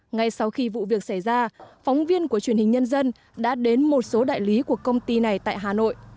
ngay sau khi vụ việc xảy ra phóng viên của truyền hình nhân dân đã đến một số đại lý của công ty này tại hà nội